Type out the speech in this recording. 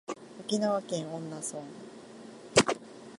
沖縄県恩納村